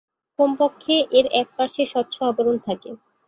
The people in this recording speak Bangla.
কমপক্ষে এর এক পার্শ্বে স্বচ্ছ আবরণ থাকে।